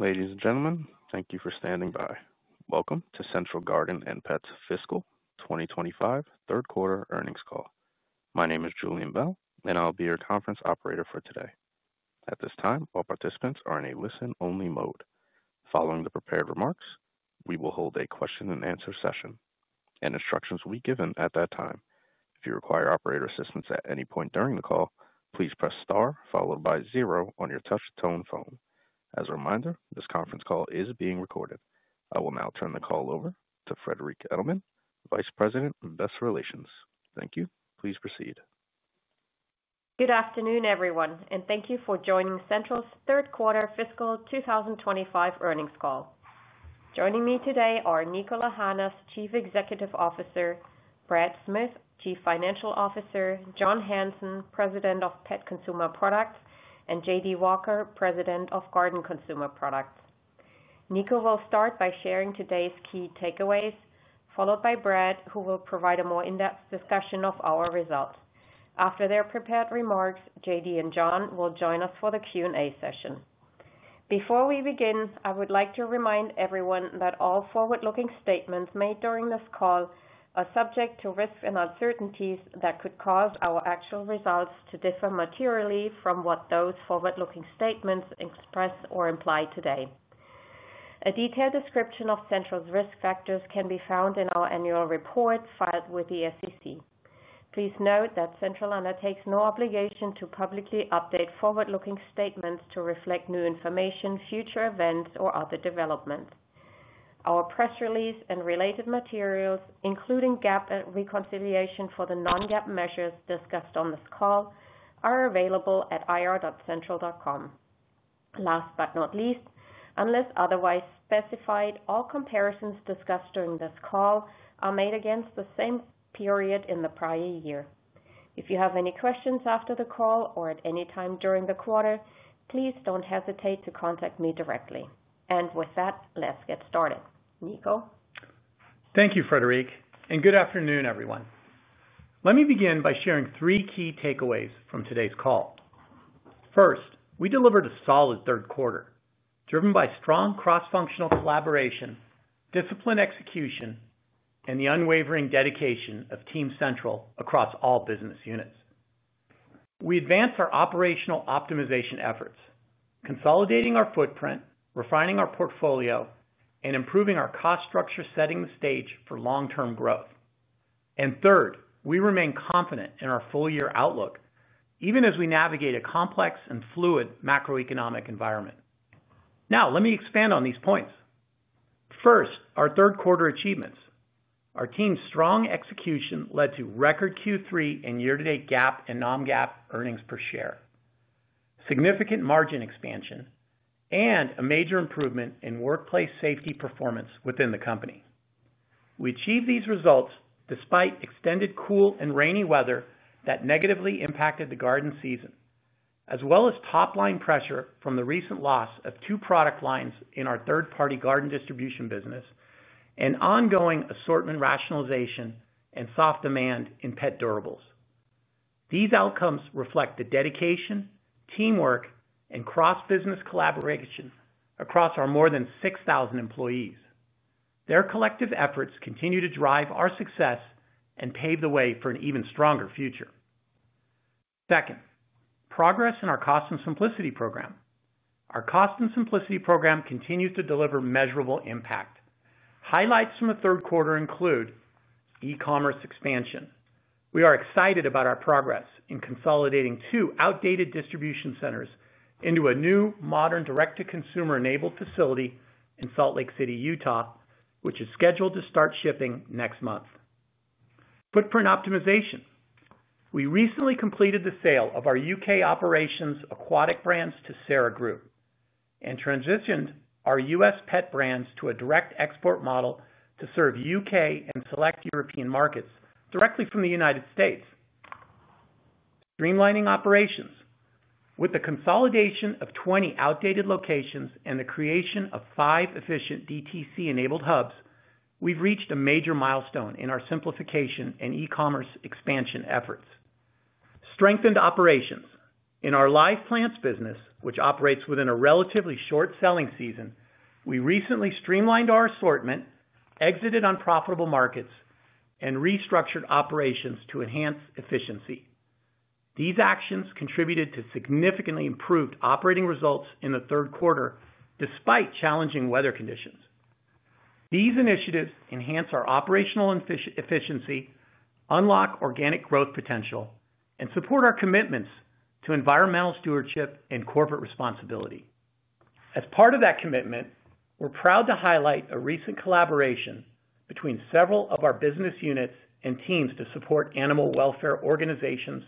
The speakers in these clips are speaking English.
Ladies and gentlemen, thank you for standing by. Welcome to Central Garden & Pet Company's Fiscal 2025 Third Quarter Earnings Call. My name is Julian Bell, and I'll be your conference operator for today. At this time, all participants are in a listen-only mode. Following the prepared remarks, we will hold a question and answer session. Instructions will be given at that time. If you require operator assistance at any point during the call, please press star followed by zero on your touch-tone phone. As a reminder, this conference call is being recorded. I will now turn the call over to Friederike Edelmann, Vice President, Investor Relations. Thank you. Please proceed. Good afternoon, everyone, and thank you for joining Central's Third Quarter Fiscal 2025 Earnings Call. Joining me today are Niko Lahanas, Chief Executive Officer; Brad Smith, Chief Financial Officer; John Hanson, President of Pet Consumer Products; and J.D. Walker, President of Garden Consumer Products. Niko will start by sharing today's key takeaways, followed by Brad, who will provide a more in-depth discussion of our results. After their prepared remarks, J.D. and John will join us for the Q&A session. Before we begin, I would like to remind everyone that all forward-looking statements made during this call are subject to risks and uncertainties that could cause our actual results to differ materially from what those forward-looking statements express or imply today. A detailed description of Central's risk factors can be found in our annual report filed with the SEC. Please note that Central undertakes no obligation to publicly update forward-looking statements to reflect new information, future events, or other developments. Our press release and related materials, including GAAP and reconciliation for the non-GAAP measures discussed on this call, are available at ir.central.com. Last but not least, unless otherwise specified, all comparisons discussed during this call are made against the same period in the prior year. If you have any questions after the call or at any time during the quarter, please don't hesitate to contact me directly. With that, let's get started. Niko? Thank you, Friederike, and good afternoon, everyone. Let me begin by sharing three key takeaways from today's call. First, we delivered a solid third quarter, driven by strong cross-functional collaboration, disciplined execution, and the unwavering dedication of team Central across all business units. We advanced our operational optimization efforts, consolidating our footprint, refining our portfolio, and improving our cost structure, setting the stage for long-term growth. Third, we remain confident in our full-year outlook, even as we navigate a complex and fluid macro-economic environment. Now, let me expand on these points. First, our third quarter achievements. Our team's strong execution led to record Q3 and year-to-date GAAP and non-GAAP EPS, significant margin expansion, and a major improvement in workplace safety performance within the company. We achieved these results despite extended cool and rainy weather that negatively impacted the garden season, as well as top-line pressure from the recent loss of two product lines in our third-party garden distribution business, and ongoing assortment rationalization and soft demand in pet durables. These outcomes reflect the dedication, teamwork, and cross-business collaboration across our more than 6,000 employees. Their collective efforts continue to drive our success and pave the way for an even stronger future. Second, progress in our Cost and Simplicity Program. Our Cost and Simplicity Program continues to deliver measurable impact. Highlights from the third quarter include e-commerce expansion. We are excited about our progress in consolidating two outdated distribution centers into a new, modern, direct-to-consumer-enabled facility in Salt Lake City, Utah, which is scheduled to start shipping next month. Footprint optimization. We recently completed the sale of our U.K. operations aquatic brands to Sara Group and transitioned our U.S. Pet brands to a direct export model to serve U.K. and select European markets directly from the United States. Streamlining operations. With the consolidation of 20 outdated locations and the creation of five efficient DTC-enabled hubs, we've reached a major milestone in our simplification and e-commerce expansion efforts. Strengthened operations. In our live plants business, which operates within a relatively short selling season, we recently streamlined our assortment, exited unprofitable markets, and restructured operations to enhance efficiency. These actions contributed to significantly improved operating results in the third quarter despite challenging weather conditions. These initiatives enhance our operational efficiency, unlock organic growth potential, and support our commitments to environmental stewardship and corporate responsibility. As part of that commitment, we're proud to highlight a recent collaboration between several of our business units and teams to support animal welfare organizations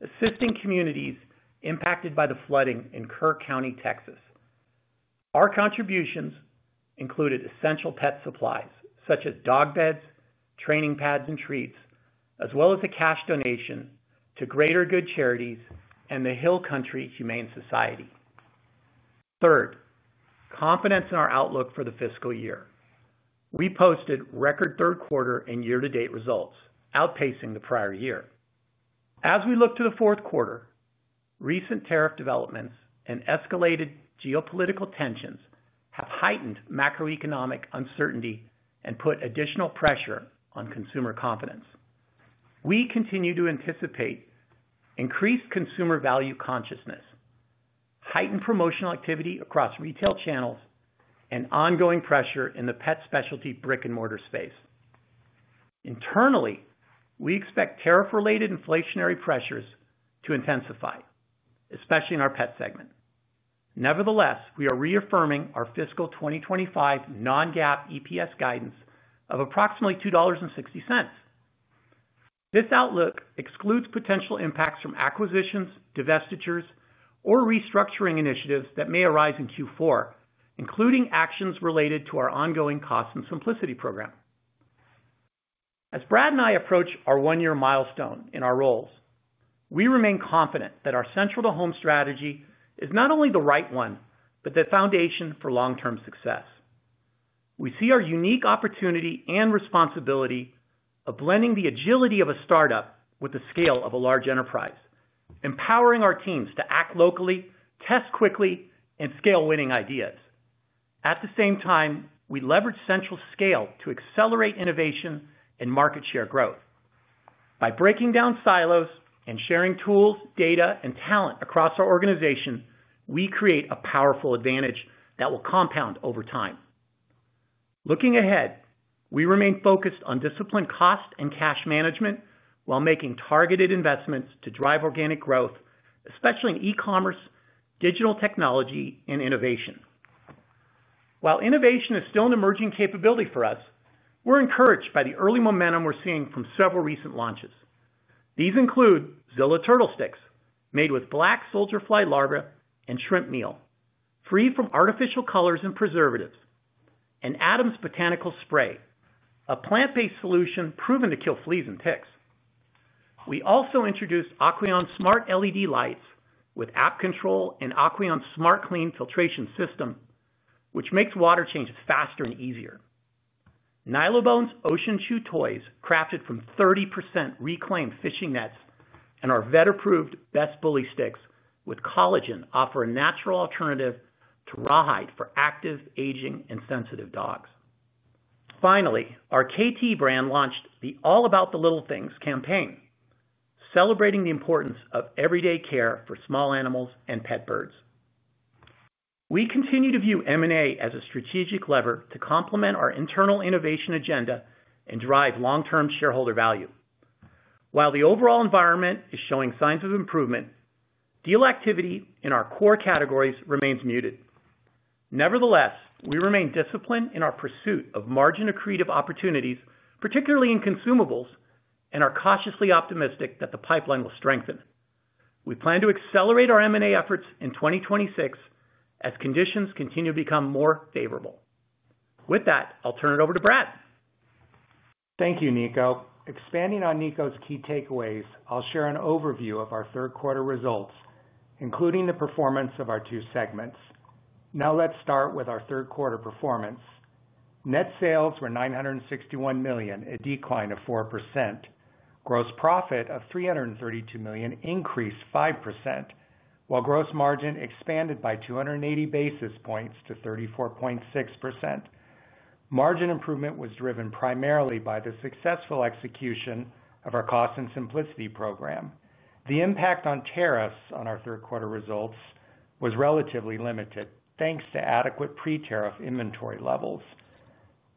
assisting communities impacted by the flooding in Kirk County, Texas. Our contributions included essential pet supplies such as dog beds, training pads, and treats, as well as a cash donation to Greater Good Charities and the Hill Country Humane Society. Third, confidence in our outlook for the fiscal year. We posted record third quarter and year-to-date results, outpacing the prior year. As we look to the fourth quarter, recent tariff developments and escalated geopolitical tensions have heightened macro-economic uncertainty and put additional pressure on consumer confidence. We continue to anticipate increased consumer value consciousness, heightened promotional activity across retail channels, and ongoing pressure in the pet specialty brick-and-mortar space. Internally, we expect tariff-related inflationary pressures to intensify, especially in our pet segment. Nevertheless, we are reaffirming our fiscal 2025 non-GAAP EPS guidance of approximately $2.60. This outlook excludes potential impacts from acquisitions, divestitures, or restructuring initiatives that may arise in Q4, including actions related to our ongoing Cost and Simplicity Program. As Brad and I approach our one-year milestone in our roles, we remain confident that our central-to-home strategy is not only the right one, but the foundation for long-term success. We see our unique opportunity and responsibility of blending the agility of a startup with the scale of a large enterprise, empowering our teams to act locally, test quickly, and scale winning ideas. At the same time, we leverage Central's scale to accelerate innovation and market share growth. By breaking down silos and sharing tools, data, and talent across our organization, we create a powerful advantage that will compound over time. Looking ahead, we remain focused on disciplined cost and cash management while making targeted investments to drive organic growth, especially in e-commerce, digital technology, and innovation. While innovation is still an emerging capability for us, we're encouraged by the early momentum we're seeing from several recent launches. These include Zilla Turtle Sticks, made with black soldier fly larvae and shrimp meal, free from artificial colors and preservatives, and Adams Botanical Spray, a plant-based solution proven to kill fleas and ticks. We also introduced Aqueon Smart LED lights with app control and Aqueon Smart Clean filtration system, which makes water changes faster and easier. Nylabone's Ocean Chew toys crafted from 30% reclaimed fishing nets and our vet-approved Best Bully Sticks with collagen offer a natural alternative to rawhide for active, aging, and sensitive dogs. Finally, our Kaytee brand launched the All About the Little Things campaign, celebrating the importance of everyday care for small animals and pet birds. We continue to view M&A as a strategic lever to complement our internal innovation agenda and drive long-term shareholder value. While the overall environment is showing signs of improvement, deal activity in our core categories remains muted. Nevertheless, we remain disciplined in our pursuit of margin accretive opportunities, particularly in consumables, and are cautiously optimistic that the pipeline will strengthen. We plan to accelerate our M&A efforts in 2026 as conditions continue to become more favorable. With that, I'll turn it over to Brad. Thank you, Niko. Expanding on Niko's key takeaways, I'll share an overview of our third quarter results, including the performance of our two segments. Now let's start with our third quarter performance. Net sales were $961 million, a decline of 4%. Gross profit of $332 million increased 5%, while gross margin expanded by 280 basis points to 34.6%. Margin improvement was driven primarily by the successful execution of our Cost and Simplicity Program. The impact of tariffs on our third quarter results was relatively limited, thanks to adequate pre-tariff inventory levels.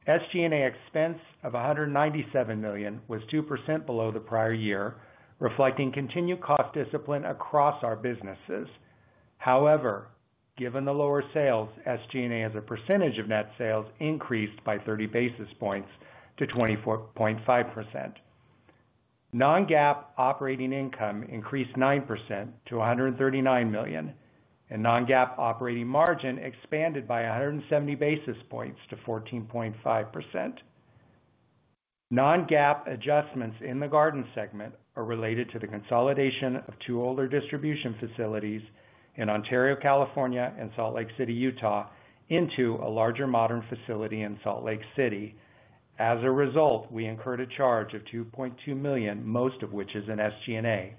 SG&A expense of $197 million was 2% below the prior year, reflecting continued cost discipline across our businesses. However, given the lower sales, SG&A as a percentage of net sales increased by 30 basis points to 24.5%. Non-GAAP operating income increased 9% to $139 million, and non-GAAP operating margin expanded by 170 basis points to 14.5%. Non-GAAP adjustments in the garden segment are related to the consolidation of two older distribution facilities in Ontario, California, and Salt Lake City, Utah, into a larger modern facility in Salt Lake City. As a result, we incurred a charge of $2.2 million, most of which is in SG&A.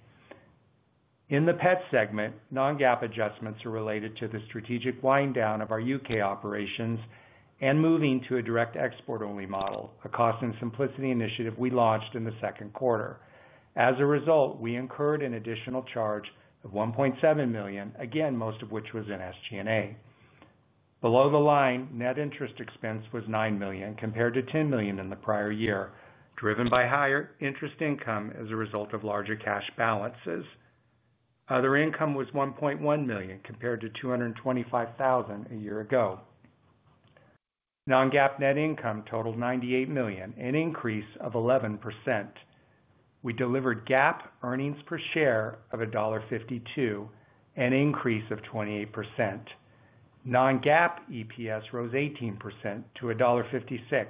In the Pet segment, non-GAAP adjustments are related to the strategic wind-down of our U.K. operations and moving to a direct export-only model, a Cost and Simplicity initiative we launched in the second quarter. As a result, we incurred an additional charge of $1.7 million, again most of which was in SG&A. Below the line, net interest expense was $9 million compared to $10 million in the prior year, driven by higher interest income as a result of larger cash balances. Other income was $1.1 million compared to $225,000 a year ago. Non-GAAP net income totaled $98 million, an increase of 11%. We delivered GAAP earnings per share of $1.52, an increase of 28%. Non-GAAP EPS rose 18% to $1.56.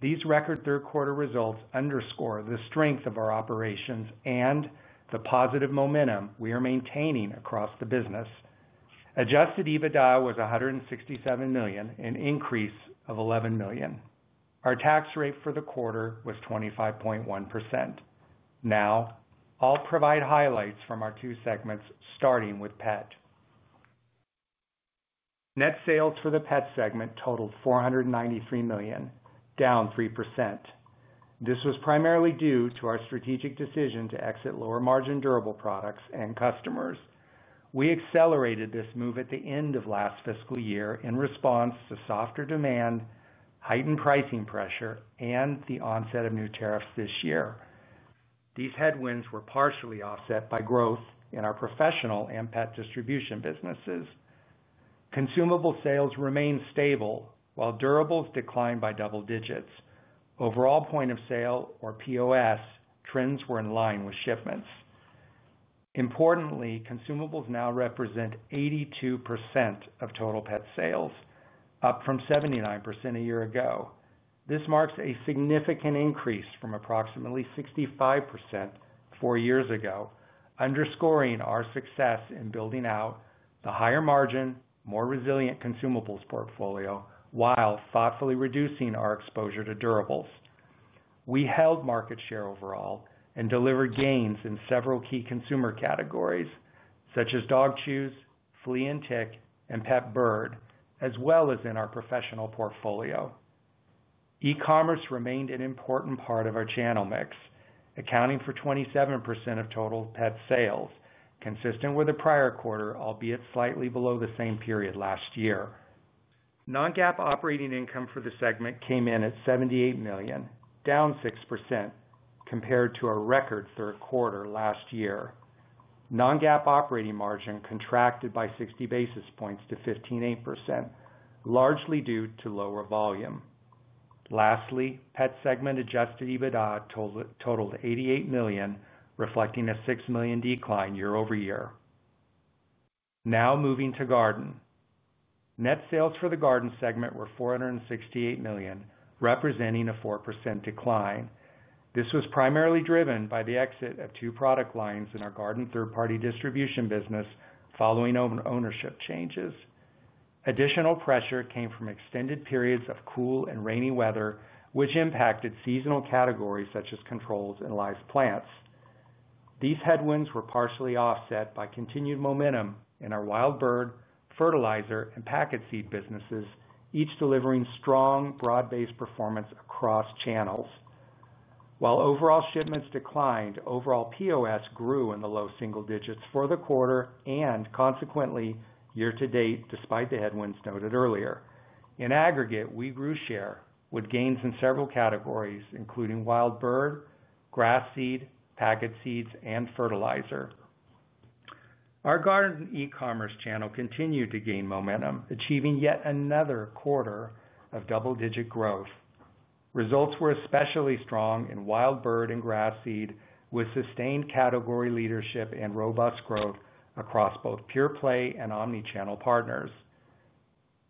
These record third-quarter results underscore the strength of our operations and the positive momentum we are maintaining across the business. Adjusted EBITDA was $167 million, an increase of $11 million. Our tax rate for the quarter was 25.1%. Now, I'll provide highlights from our two segments, starting with pet. Net sales for the Pet segment totaled $493 million, down 3%. This was primarily due to our strategic decision to exit lower margin durable products and customers. We accelerated this move at the end of last fiscal year in response to softer demand, heightened pricing pressure, and the onset of new tariffs this year. These headwinds were partially offset by growth in our professional and pet distribution businesses. Consumable sales remained stable, while durables declined by double-digits. Overall point of sale, or POS, trends were in line with shipments. Importantly, consumables now represent 82% of total pet sales, up from 79% a year ago. This marks a significant increase from approximately 65% four years ago, underscoring our success in building out the higher margin, more resilient consumables portfolio, while thoughtfully reducing our exposure to durables. We held market share overall and delivered gains in several key consumer categories, such as dog chews, flea and tick, and pet bird, as well as in our professional portfolio. E-commerce remained an important part of our channel mix, accounting for 27% of total pet sales, consistent with the prior quarter, albeit slightly below the same period last year. Non-GAAP operating income for the segment came in at $78 million, down 6%, compared to our record third quarter last year. Non-GAAP operating margin contracted by 60 basis points to 15.8%, largely due to lower volume. Lastly, pet segment adjusted EBITDA totaled $88 million, reflecting a $6 million decline year-over-year. Now moving to garden. Net sales for the garden segment were $468 million, representing a 4% decline. This was primarily driven by the exit of two product lines in our garden third-party distribution business following ownership changes. Additional pressure came from extended periods of cool and rainy weather, which impacted seasonal categories such as controls and live plants. These headwinds were partially offset by continued momentum in our wild bird, fertilizer, and packet seed businesses, each delivering strong broad-based performance across channels. While overall shipments declined, overall POS grew in the low single-digits for the quarter and, consequently, year to date, despite the headwinds noted earlier. In aggregate, we grew share with gains in several categories, including wild bird, grass seed, packet seed, and fertilizer. Our garden and e-commerce channel continued to gain momentum, achieving yet another quarter of double-digit growth. Results were especially strong in wild bird and grass seed, with sustained category leadership and robust growth across both pure play and omnichannel partners.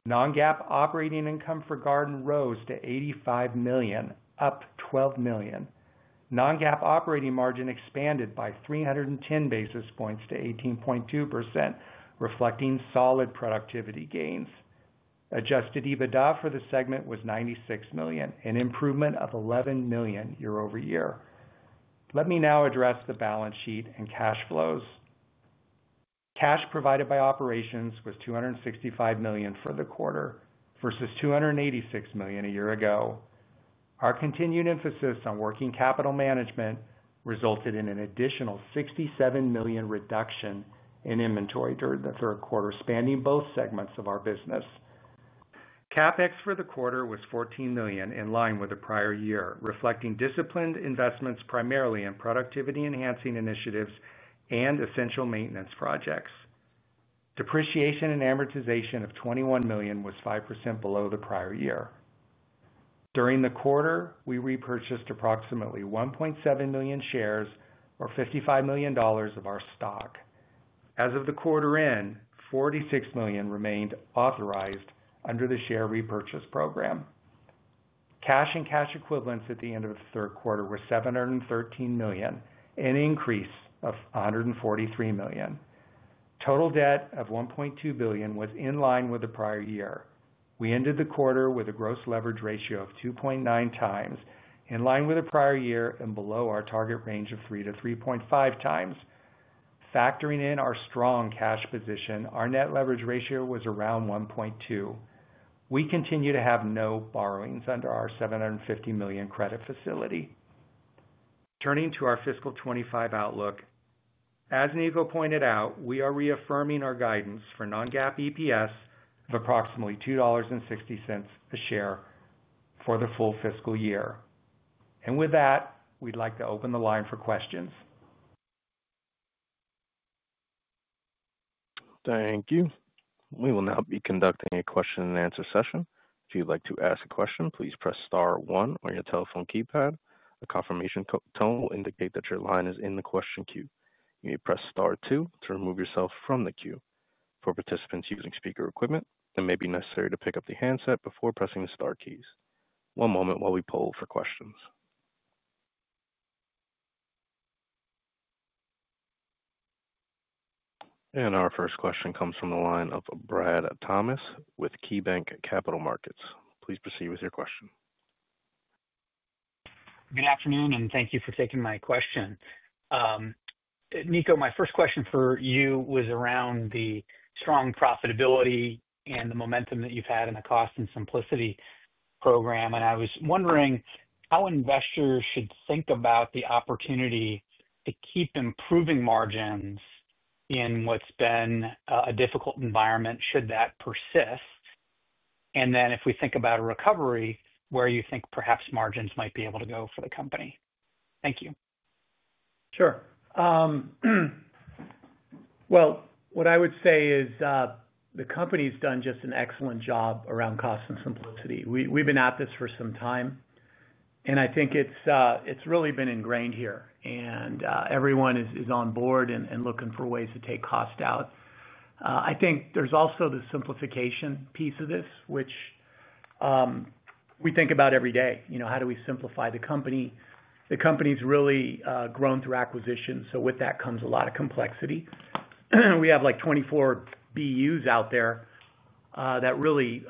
Non-GAAP operating income for garden rose to $85 million, up $12 million. Non-GAAP operating margin expanded by 310 basis points to 18.2%, reflecting solid productivity gains. Adjusted EBITDA for the segment was $96 million, an improvement of $11 million year-over-year. Let me now address the balance sheet and cash flows. Cash provided by operations was $265 million for the quarter vs $286 million a year ago. Our continued emphasis on working capital management resulted in an additional $67 million reduction in inventory during the third quarter, spanning both segments of our business. CapEx for the quarter was $14 million, in line with the prior year, reflecting disciplined investments primarily in productivity-enhancing initiatives and essential maintenance projects. Depreciation and amortization of $21 million was 5% below the prior year. During the quarter, we repurchased approximately 1.7 million shares, or $55 million of our stock. As of the quarter end, $46 million remained authorized under the share repurchase program. Cash and cash equivalents at the end of the third quarter were $713 million, an increase of $143 million. Total debt of $1.2 billion was in line with the prior year. We ended the quarter with a gross leverage ratio of 2.9x, in line with the prior year and below our target range of 3x-3.5x. Factoring in our strong cash position, our net leverage ratio was around 1.2. We continue to have no borrowings under our $750 million credit facility. Turning to our fiscal 2025 outlook, as Niko pointed out, we are reaffirming our guidance for non-GAAP EPS of approximately $2.60 a share for the full fiscal year. With that, we'd like to open the line for questions. Thank you. We will now be conducting a question and answer session. If you'd like to ask a question, please press star one on your telephone keypad. A confirmation tone will indicate that your line is in the question queue. You may press star two to remove yourself from the queue. For participants using speaker equipment, it may be necessary to pick up the handset before pressing the star keys. One moment while we poll for questions. Our first question comes from the line of Brad Thomas with KeyBanc Capital Markets. Please proceed with your question. Good afternoon, and thank you for taking my question. Niko, my first question for you was around the strong profitability and the momentum that you've had in the Cost and Simplicity Program. I was wondering how investors should think about the opportunity to keep improving margins in what's been a difficult environment, should that persist. If we think about a recovery, where you think perhaps margins might be able to go for the company. Thank you. Sure. What I would say is the company's done just an excellent job around Cost and Simplicity. We've been at this for some time, and I think it's really been ingrained here. Everyone is on board and looking for ways to take cost out. I think there's also the simplification piece of this, which we think about every day. You know, how do we simplify the company? The company's really grown through acquisitions, so with that comes a lot of complexity. We have like 24 BUs out there that really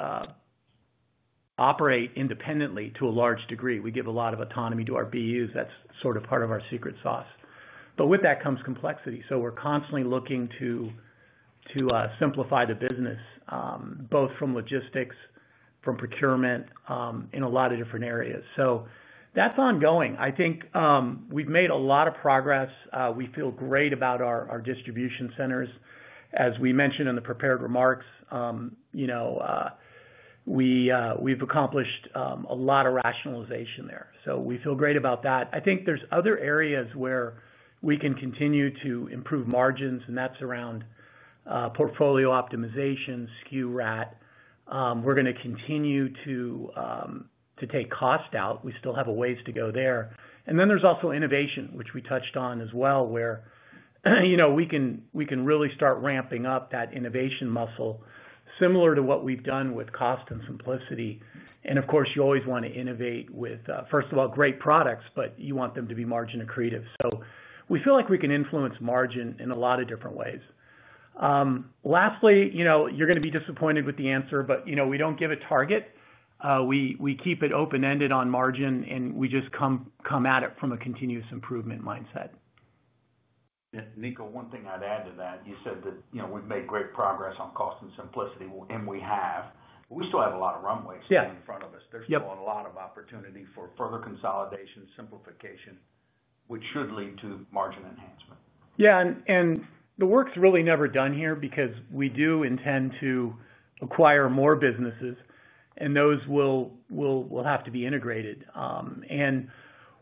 operate independently to a large degree. We give a lot of autonomy to our BUs. That's sort of part of our secret sauce, but with that comes complexity. We're constantly looking to simplify the business, both from logistics, from procurement, in a lot of different areas. That's ongoing. I think we've made a lot of progress. We feel great about our distribution centers. As we mentioned in the prepared remarks, we've accomplished a lot of rationalization there, so we feel great about that. I think there's other areas where we can continue to improve margins, and that's around portfolio optimization, SKU rationalization. We're going to continue to take cost out. We still have a ways to go there. There's also innovation, which we touched on as well, where we can really start ramping up that innovation muscle, similar to what we've done with Cost and Simplicity. Of course, you always want to innovate with, first of all, great products, but you want them to be margin accretive. We feel like we can influence margin in a lot of different ways. Lastly, you're going to be disappointed with the answer, but we don't give a target. We keep it open-ended on margin, and we just come at it from a continuous improvement mindset. Niko, one thing I'd add to that, you said that we've made great progress on Cost and Simplicity, and we have, but we still have a lot of runway in front of us. There's still a lot of opportunity for further consolidation, simplification, which should lead to margin enhancement. Yeah, the work's really never done here because we do intend to acquire more businesses, and those will have to be integrated.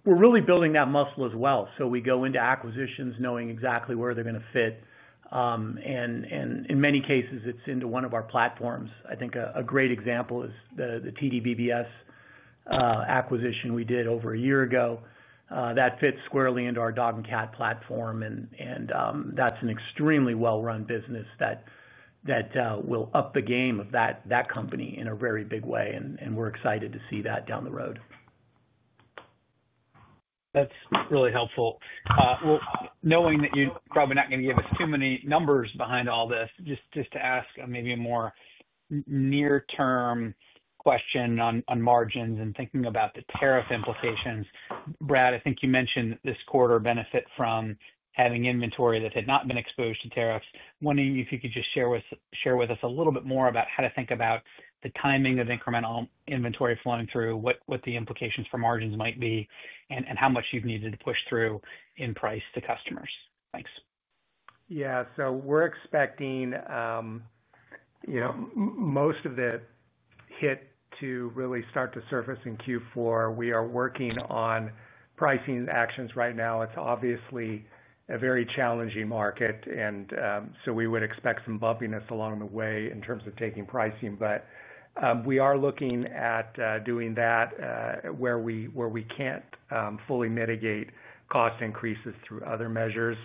We're really building that muscle as well. We go into acquisitions knowing exactly where they're going to fit. In many cases, it's into one of our platforms. I think a great example is the TDBBS acquisition we did over a year ago. That fits squarely into our dog and cat platform, and that's an extremely well-run business that will up the game of that company in a very big way. We're excited to see that down the road. That's really helpful. Knowing that you're probably not going to give us too many numbers behind all this, just to ask maybe a more near-term question on margins and thinking about the tariff implications. Brad, I think you mentioned this quarter benefit from having inventory that had not been exposed to tariffs. Wondering if you could just share with us a little bit more about how to think about the timing of incremental inventory flowing through, what the implications for margins might be, and how much you've needed to push through in price to customers. Thanks. Yeah, so we're expecting most of the hit to really start to surface in Q4. We are working on pricing actions right now. It's obviously a very challenging market, and we would expect some bumpiness along the way in terms of taking pricing, but we are looking at doing that where we can't fully mitigate cost increases through other measures.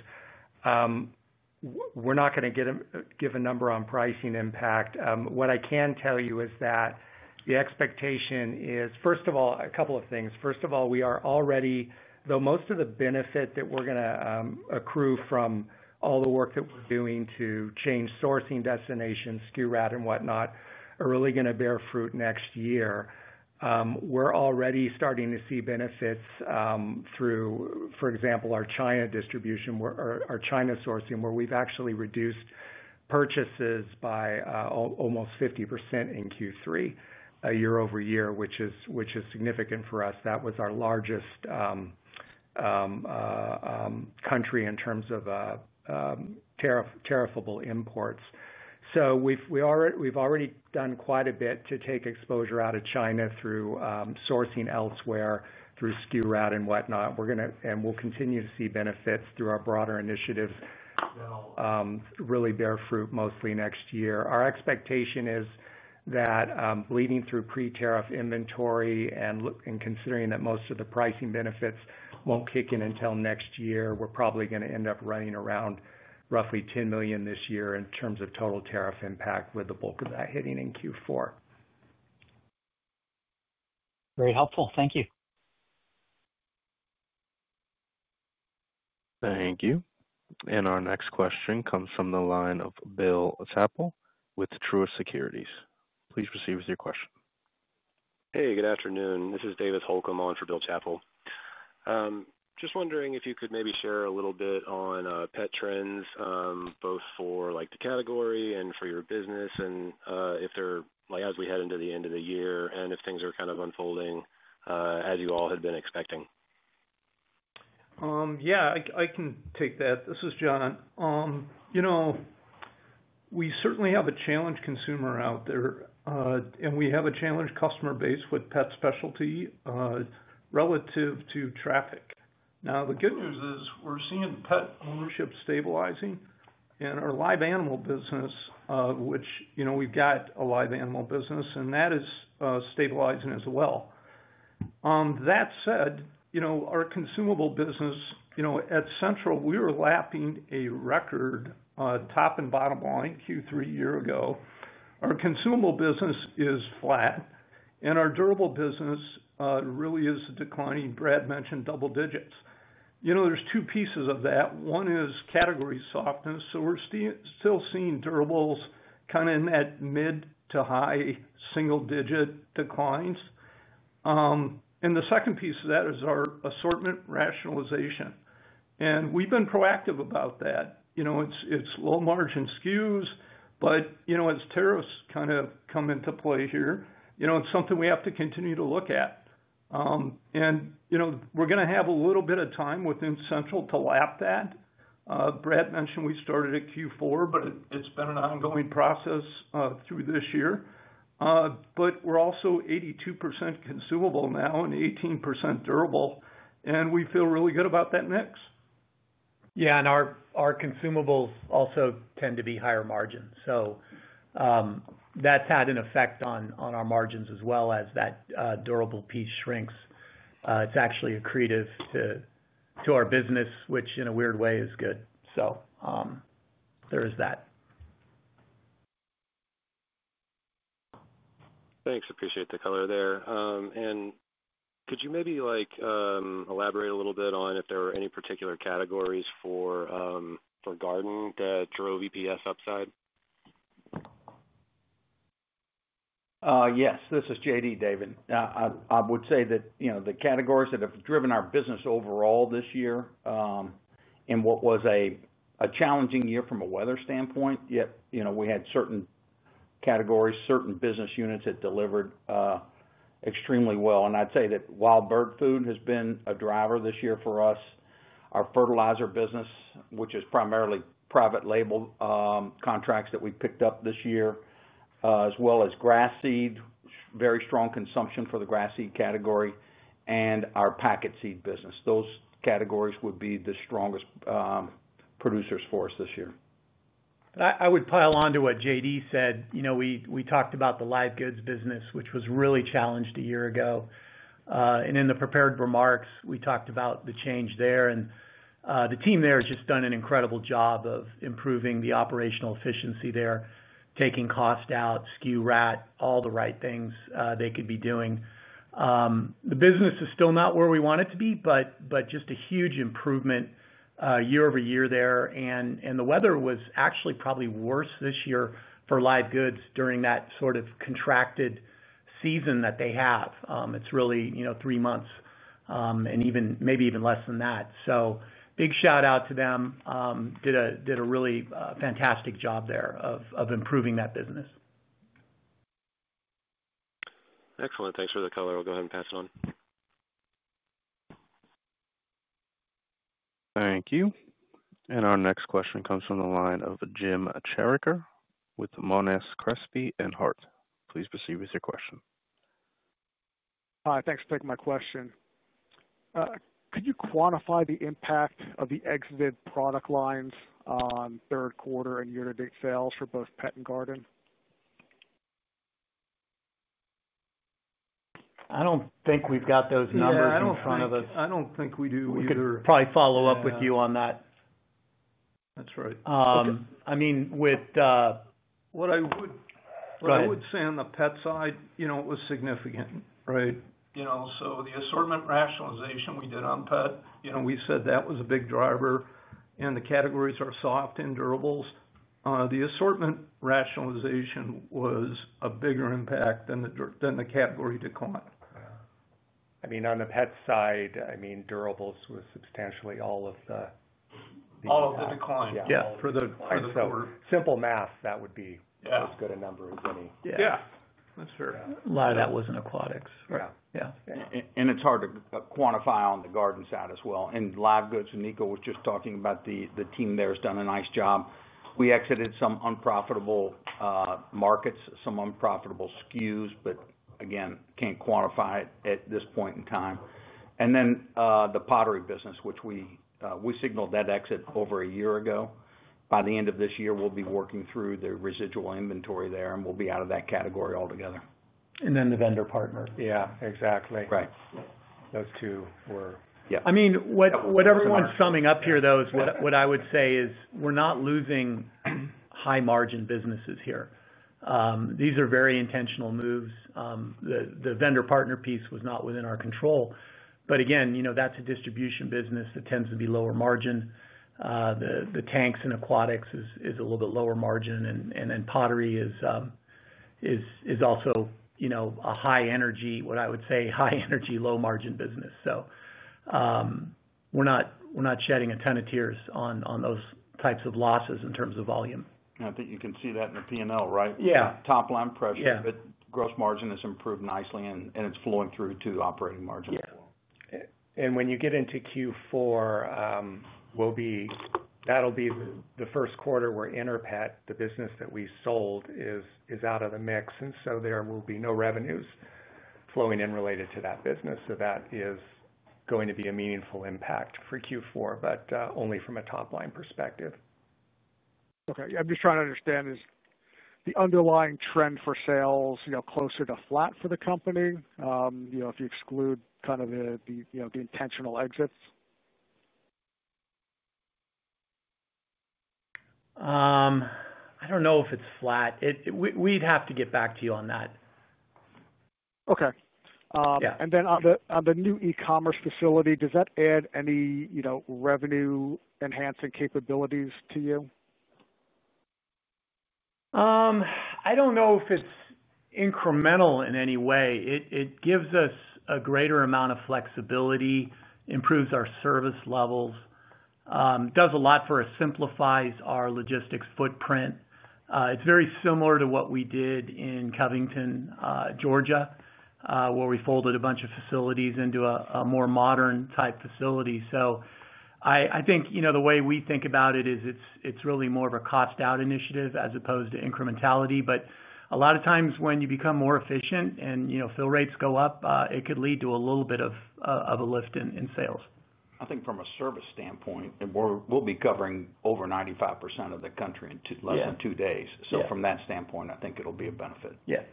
We're not going to give a number on pricing impact. What I can tell you is that the expectation is, first of all, a couple of things. First of all, we are already, though most of the benefit that we're going to accrue from all the work that we're doing to change sourcing destinations, assortment rationalization, and whatnot, are really going to bear fruit next year. We're already starting to see benefits through, for example, our China distribution, our China sourcing, where we've actually reduced purchases by almost 50% in Q3, year-over-year, which is significant for us. That was our largest country in terms of tariffable imports. We have already done quite a bit to take exposure out of China through sourcing elsewhere, through assortment rationalization and whatnot, and we'll continue to see benefits through our broader initiatives really bear fruit mostly next year. Our expectation is that bleeding through pre-tariff inventory and considering that most of the pricing benefits won't kick in until next year, we're probably going to end up running around roughly $10 million this year in terms of total tariff impact with the bulk of that hitting in Q4. Very helpful. Thank you. Thank you. Our next question comes from the line of Bill Chappell with Truist Securities. Please proceed with your question. Hey, good afternoon. This is Davis Holcomb on for Bill Chappell. Just wondering if you could maybe share a little bit on pet trends, both for the category and for your business, and if they're as we head into the end of the year and if things are kind of unfolding as you all had been expecting. Yeah, I can take that. This is John. We certainly have a challenged consumer out there, and we have a challenged customer base with pet specialty relative to traffic. The good news is we're seeing the pet ownership stabilizing in our live animal business, which, you know, we've got a live animal business, and that is stabilizing as well. That said, our consumable business at Central, we were lapping a record top and bottom line Q3 a year ago. Our consumable business is flat, and our durable business really is declining. Brad mentioned double digits. There are two pieces of that. One is category softness, so we're still seeing durables kind of in that mid to high single-digit declines. The second piece of that is our assortment rationalization. We've been proactive about that. It's low margin SKUs, but as tariffs kind of come into play here, it's something we have to continue to look at. We're going to have a little bit of time within Central to lap that. Brad mentioned we started at Q4, but it's been an ongoing process through this year. We're also 82% consumable now and 18% durable, and we feel really good about that mix. Yeah, and our consumables also tend to be higher margins. That has had an effect on our margins as well as that durable piece shrinks. It's actually accretive to our business, which in a weird way is good. There is that. Thanks. Appreciate the color there. Could you maybe elaborate a little bit on if there are any particular categories for garden that drove EPS upside? Yes, this is J.D. David. I would say that, you know, the categories that have driven our business overall this year in what was a challenging year from a weather standpoint, yet, you know, we had certain categories, certain business units that delivered extremely well. I'd say that wild bird food has been a driver this year for us. Our fertilizer business, which is primarily private label contracts that we picked up this year, as well as grass seed, very strong consumption for the grass seed category, and our packet seed business. Those categories would be the strongest producers for us this year. I would pile on to what J.D. said. We talked about the live goods business, which was really challenged a year ago. In the prepared remarks, we talked about the change there. The team there has just done an incredible job of improving the operational efficiency there, taking cost out, SKU rat, all the right things they could be doing. The business is still not where we want it to be, but just a huge improvement year-over-year there. The weather was actually probably worse this year for live goods during that sort of contracted season that they have. It's really, you know, three months and maybe even less than that. Big shout out to them. Did a really fantastic job there of improving that business. Excellent. Thanks for the color. I'll go ahead and pass it on. Thank you. Our next question comes from the line of Jim Chartier with Monness Crespi Hardt. Please proceed with your question. Hi, thanks for taking my question. Could you quantify the impact of the exited product lines on third quarter and year-to-date sales for both pet and garden? I don't think we've got those numbers in front of us. I don't think we do either. We could probably follow up with you on that. That's right. I mean, with. What I would say on the pet side, it was significant, right? The assortment rationalization we did on pet, we said that was a big driver, and the categories are soft and durables. The assortment rationalization was a bigger impact than the category decline. I mean, on the pet side, durables was substantially all of the. All of the decline. Simple math, that would be as good a number as any. Yeah. Yeah, that's fair. A lot of that was in aquatics. Yeah. Yeah. It is hard to quantify on the garden side as well. In live goods, Niko was just talking about the team there has done a nice job. We exited some unprofitable markets, some unprofitable SKUs, but again, can't quantify it at this point in time. The pottery business, which we signaled that exit over a year ago, by the end of this year, we'll be working through the residual inventory there, and we'll be out of that category altogether. The vendor partner. Yeah, exactly. Right. Those two were. Yeah. I mean, what everyone's summing up here, though, is what I would say is we're not losing high margin businesses here. These are very intentional moves. The vendor partner piece was not within our control. Again, you know, that's a distribution business that tends to be lower margin. The tanks and aquatics is a little bit lower margin, and then pottery is also, you know, a high energy, what I would say, high energy, low margin business. We're not shedding a ton of tears on those types of losses in terms of volume. I think you can see that in the P&L, right? Yeah. Top-line pressure, but gross margin has improved nicely, and it's flowing through to operating margin as well. When you get into Q4, that'll be the first quarter where Enerpet, the business that we sold, is out of the mix. There will be no revenues flowing in related to that business. That is going to be a meaningful impact for Q4, but only from a top-line perspective. Okay. I'm just trying to understand, is the underlying trend for sales, you know, closer to flat for the company if you exclude kind of the intentional exits. I don't know if it's flat. We'd have to get back to you on that. Okay. On the new e-commerce facility, does that add any revenue-enhancing capabilities to you? I don't know if it's incremental in any way. It gives us a greater amount of flexibility, improves our service levels, does a lot for us, simplifies our logistics footprint. It's very similar to what we did in Covington, Georgia, where we folded a bunch of facilities into a more modern type facility. I think the way we think about it is it's really more of a cost-out initiative as opposed to incrementality. A lot of times when you become more efficient and, you know, fill rates go up, it could lead to a little bit of a lift in sales. I think from a service standpoint, we'll be covering over 95% of the country in less than two days. From that standpoint, I think it'll be a benefit. Yeah.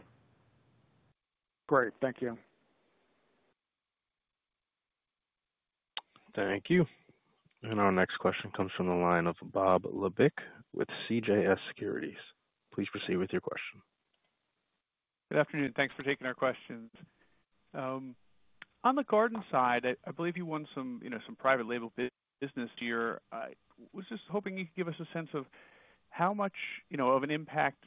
Great. Thank you. Thank you. Our next question comes from the line of Bob Labick with CJS Securities. Please proceed with your question. Good afternoon. Thanks for taking our questions. On the garden side, I believe you won some private label business this year. I was just hoping you could give us a sense of how much of an impact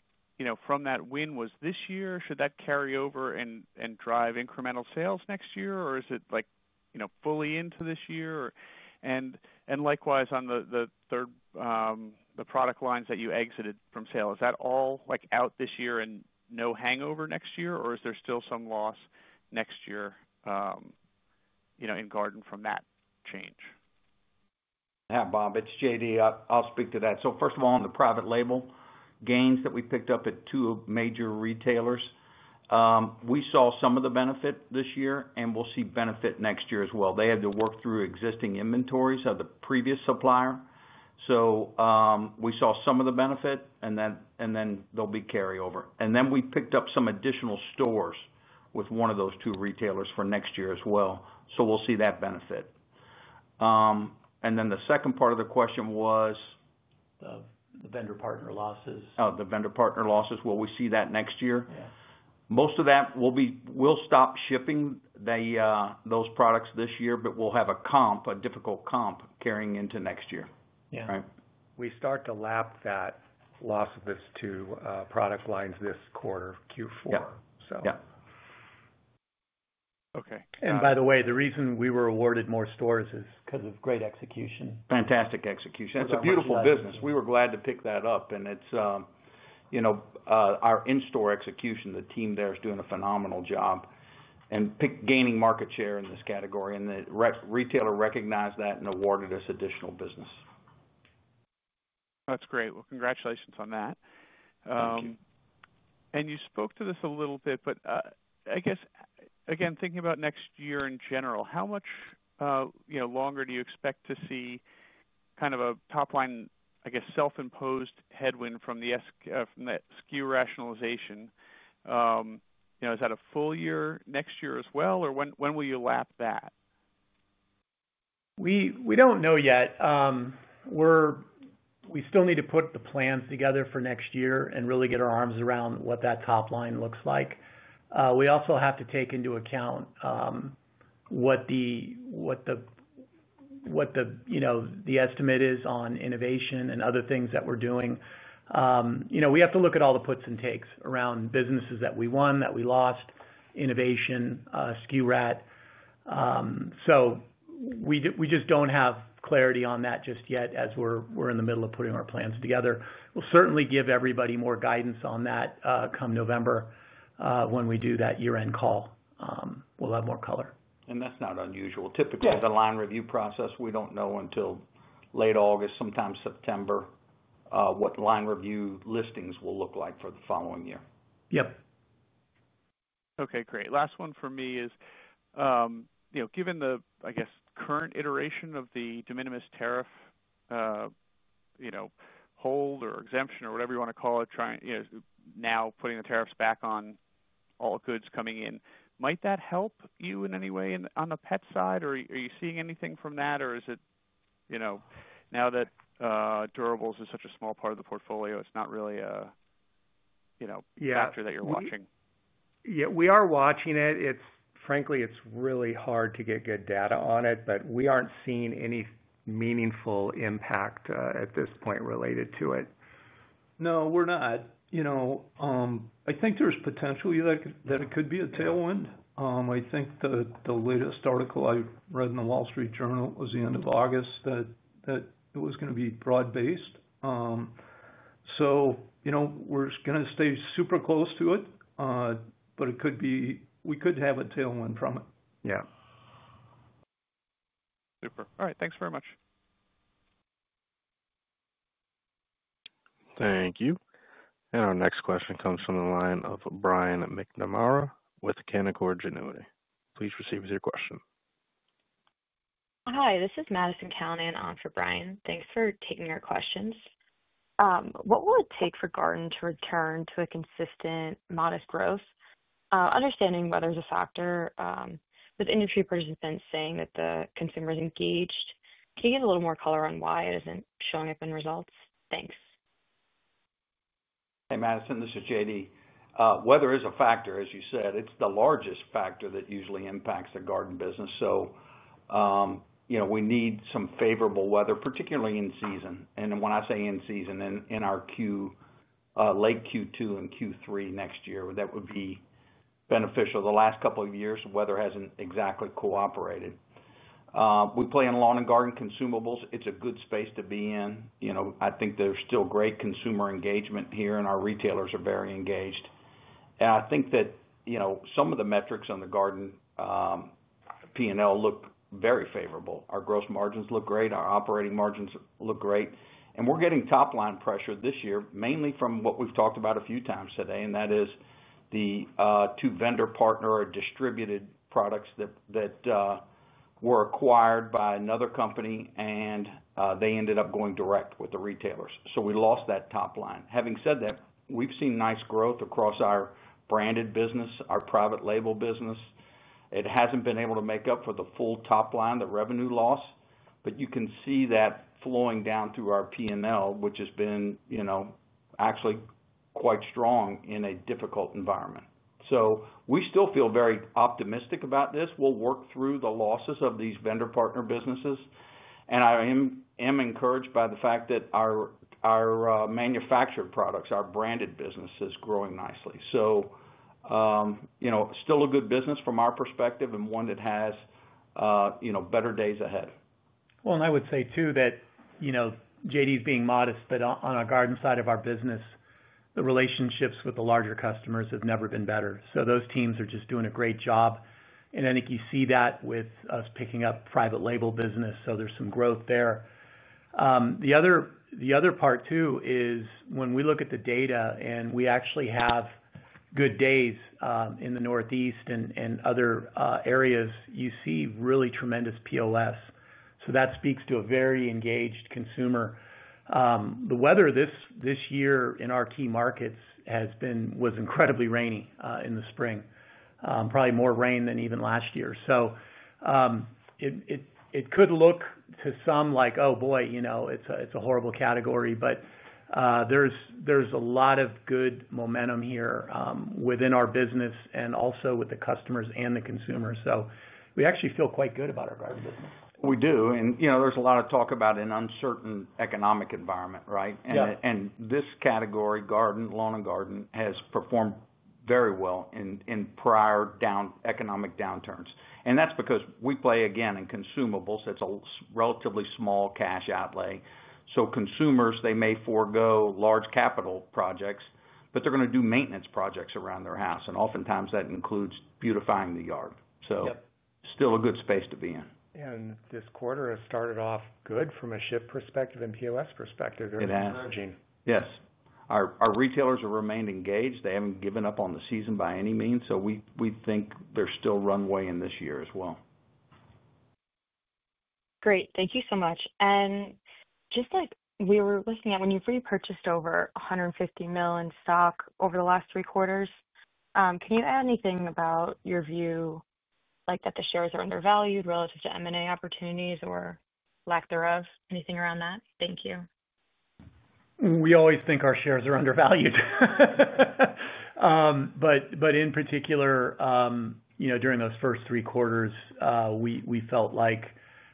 from that win was this year. Should that carry over and drive incremental sales next year, or is it fully into this year? Likewise, on the product lines that you exited from sale, is that all out this year and no hangover next year, or is there still some loss next year in garden from that change? Yeah, Bob, it's J.D. I'll speak to that. First of all, on the private label gains that we picked up at two major retailers, we saw some of the benefit this year, and we'll see benefit next year as well. They had to work through existing inventories of the previous supplier. We saw some of the benefit, and there'll be carryover. We picked up some additional stores with one of those two retailers for next year as well. We'll see that benefit. The second part of the question was? The vendor partner losses. Oh, the vendor partner losses. Will we see that next year? Most of that will be, we'll stop shipping those products this year, but we'll have a difficult comp carrying into next year. Right? We start to lap that loss of these two product lines this quarter, Q4. Yeah. Yeah. Okay. By the way, the reason we were awarded more stores is because of great execution. Fantastic execution. That's a beautiful business. We were glad to pick that up. It's our in-store execution, the team there is doing a phenomenal job and gaining market share in this category. The retailer recognized that and awarded us additional business. That's great. Congratulations on that. Thank you. You spoke to this a little bit, but I guess, again, thinking about next year in general, how much longer do you expect to see kind of a top-line, I guess, self-imposed headwind from the SKU rationalization? Is that a full year next year as well, or when will you lap that? We don't know yet. We still need to put the plans together for next year and really get our arms around what that top line looks like. We also have to take into account what the estimate is on innovation and other things that we're doing. We have to look at all the puts and takes around businesses that we won, that we lost, innovation, SKU rationalization. We just don't have clarity on that just yet as we're in the middle of putting our plans together. We'll certainly give everybody more guidance on that come November when we do that year-end call. We'll have more color. That is not unusual. Typically, the line review process, we do not know until late August, sometimes September, what line review listings will look like for the following year. Yep. Okay, great. Last one for me is, you know, given the, I guess, current iteration of the de minimis tariff, you know, hold or exemption or whatever you want to call it, trying, you know, now putting the tariffs back on all goods coming in. Might that help you in any way on the pet side, or are you seeing anything from that, or is it, you know, now that durables is such a small part of the portfolio, it's not really a, you know, factor that you're watching? Yeah, we are watching it. Frankly, it's really hard to get good data on it, but we aren't seeing any meaningful impact at this point related to it. No, we're not. I think there's potential that it could be a tailwind. I think the latest article I read in The Wall Street Journal was the end of August that it was going to be broad-based. We're going to stay super close to it, but it could be, we could have a tailwind from it. Yeah. Super. All right. Thanks very much. Thank you. Our next question comes from the line of Brian McNamara with Canaccord Genuity. Please proceed with your question. Hi, this is Madison Callinan and on for Brian. Thanks for taking our questions. What will it take for garden to return to a consistent modest growth? Understanding weather is a factor, with industry participants saying that the consumer is engaged. Can you give a little more color on why it isn't showing up in results? Thanks. Hey, Madison. This is J.D. Weather is a factor, as you said. It's the largest factor that usually impacts the garden business. You know, we need some favorable weather, particularly in season. When I say in season, in our Q, late Q2 and Q3 next year, that would be beneficial. The last couple of years, weather hasn't exactly cooperated. We play in lawn and garden consumables. It's a good space to be in. I think there's still great consumer engagement here, and our retailers are very engaged. I think that some of the metrics on the garden P&L look very favorable. Our gross margins look great. Our operating margins look great. We're getting top-line pressure this year, mainly from what we've talked about a few times today, and that is the two vendor partner or distributed products that were acquired by another company, and they ended up going direct with the retailers. We lost that top-line. Having said that, we've seen nice growth across our branded business, our private label business. It hasn't been able to make up for the full top-line, the revenue loss, but you can see that flowing down through our P&L, which has been actually quite strong in a difficult environment. We still feel very optimistic about this. We'll work through the losses of these vendor partner businesses. I am encouraged by the fact that our manufactured products, our branded business is growing nicely. Still a good business from our perspective and one that has better days ahead. I would say too that, you know, J.D. is being modest, but on our garden side of our business, the relationships with the larger customers have never been better. Those teams are just doing a great job. I think you see that with us picking up private label business, so there's some growth there. The other part too is when we look at the data and we actually have good days in the Northeast and other areas, you see really tremendous POS. That speaks to a very engaged consumer. The weather this year in our key markets was incredibly rainy in the spring, probably more rain than even last year. It could look to some like, oh boy, you know, it's a horrible category, but there's a lot of good momentum here within our business and also with the customers and the consumers. We actually feel quite good about our garden business. We do. You know, there's a lot of talk about an uncertain economic environment, right? Yeah. This category, lawn and garden, has performed very well in prior economic downturns. That's because we play again in consumables. It's a relatively small cash outlay. Consumers may forego large capital projects, but they're going to do maintenance projects around their house, and oftentimes that includes beautifying the yard. Still a good space to be in. This quarter has started off good from a ship perspective and POS perspective. It has. It's emerging. Yes, our retailers have remained engaged. They haven't given up on the season by any means, so we think there's still runway in this year as well. Great. Thank you so much. Just like we were looking at when you repurchased over $150 million stock over the last three quarters, can you add anything about your view that the shares are undervalued relative to M&A opportunities or lack thereof? Anything around that? Thank you. We always think our shares are undervalued. In particular, during those first three quarters, we felt like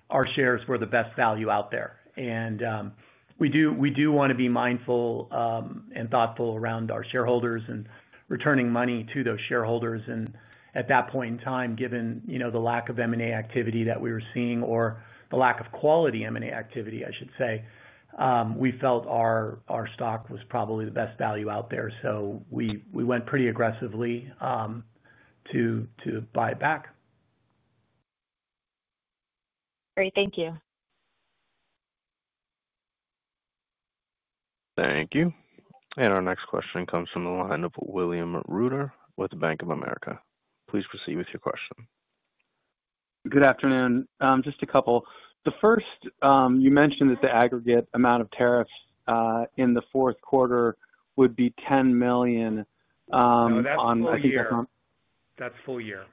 our shares were the best value out there. We do want to be mindful and thoughtful around our shareholders and returning money to those shareholders. At that point in time, given the lack of M&A activity that we were seeing or the lack of quality M&A activity, I should say, we felt our stock was probably the best value out there. We went pretty aggressively to buy it back. Great. Thank you. Thank you. Our next question comes from the line of William Reuter with Bank of America. Please proceed with your question. Good afternoon. Just a couple. The first, you mentioned that the aggregate amount of tariffs in the fourth quarter would be $10 million. That's full year. That's full year.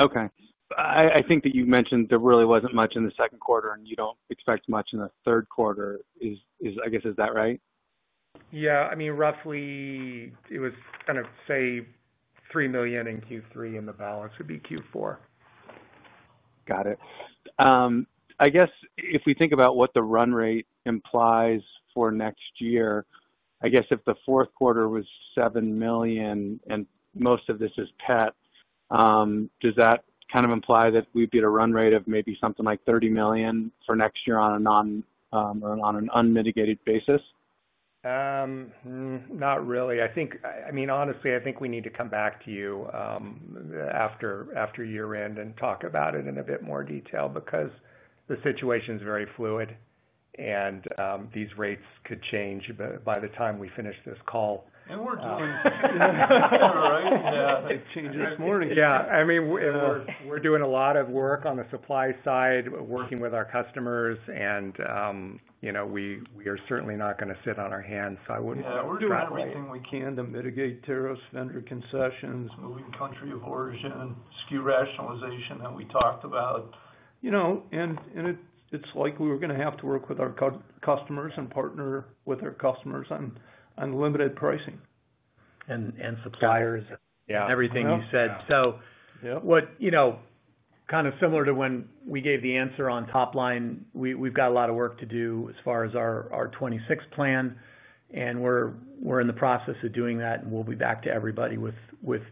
Okay, I think that you mentioned there really wasn't much in the second quarter, and you don't expect much in the third quarter. I guess, is that right? Yeah, I mean, roughly I was going to say $3 million in Q3 and the balance would be Q4. Got it. I guess if we think about what the run rate implies for next year, I guess if the fourth quarter was $7 million and most of this is Pet, does that kind of imply that we'd be at a run rate of maybe something like $30 million for next year on an unmitigated basis? I think we need to come back to you after year-end and talk about it in a bit more detail because the situation is very fluid, and these rates could change by the time we finish this call. We're doing it. Yeah, right? Yeah, they changed it this morning. Yeah, I mean, we're doing a lot of work on the supply side, working with our customers, and you know we are certainly not going to sit on our hands. Yeah, we're doing everything we can to mitigate tariffs, vendor concessions, moving country aversion, SKU rationalization that we talked about. You know, it's like we were going to have to work with our customers and partner with our customers on unlimited pricing. And suppliers. Yeah. Everything you said. Kind of similar to when we gave the answer on top-line, we've got a lot of work to do as far as our 2026 plan. We're in the process of doing that, and we'll be back to everybody with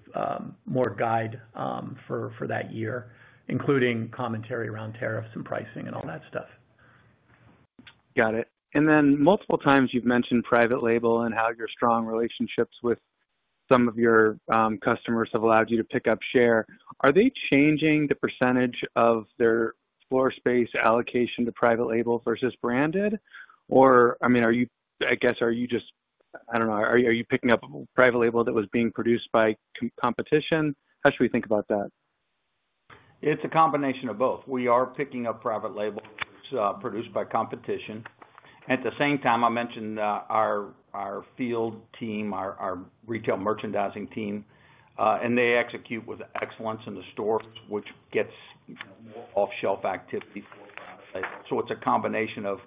more guide for that year, including commentary around tariffs and pricing and all that stuff. Got it. Multiple times you've mentioned private label and how your strong relationships with some of your customers have allowed you to pick up share. Are they changing the percentage of their floor space allocation to private label versus branded? I mean, are you just, I don't know, are you picking up private label that was being produced by competition? How should we think about that? It's a combination of both. We are picking up private label produced by competition. At the same time, I mentioned our field team, our retail merchandising team, and they execute with excellence in the stores, which gets off-shelf activity. It's a combination of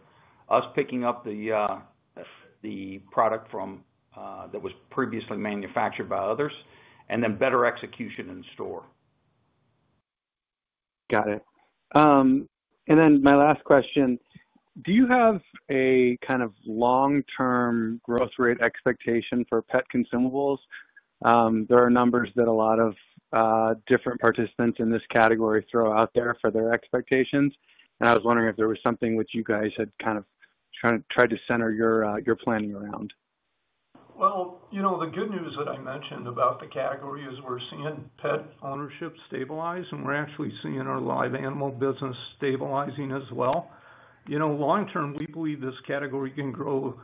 us picking up the product that was previously manufactured by others and then better execution in store. Got it. My last question, do you have a kind of long-term growth rate expectation for Pet consumables? There are numbers that a lot of different participants in this category throw out there for their expectations. I was wondering if there was something which you guys had kind of tried to center your planning around. The good news that I mentioned about the category is we're seeing pet ownership stabilize, and we're actually seeing our live animal business stabilizing as well. Long-term, we believe this category can grow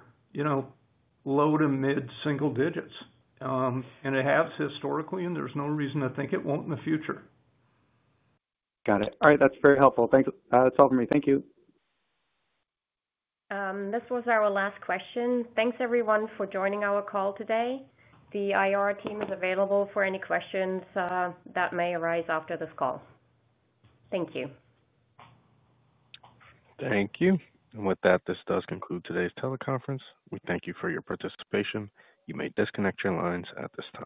low to mid-single digits. It has historically, and there's no reason to think it won't in the future. Got it. All right, that's very helpful. Thanks. That's all for me. Thank you. This was our last question. Thanks everyone for joining our call today. The IR team is available for any questions that may arise after this call. Thank you. Thank you. With that, this does conclude today's teleconference. We thank you for your participation. You may disconnect your lines at this time.